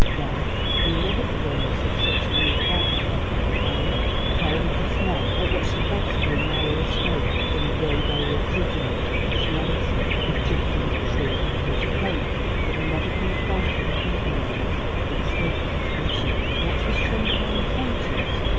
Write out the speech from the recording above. Then the irrevocableness of such a move frightened her; and, pale with dismay at what she felt to be a narrow escape from a grave error of judgment, she answered with just enough truth, for her to hope that the modicum of falsehood accompanying it would escape his attention: "What has changed my intentions?